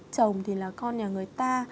chồng thì là con nhà người ta